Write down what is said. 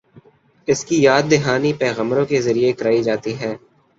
اس کی یاد دہانی پیغمبروں کے ذریعے کرائی جاتی ہے۔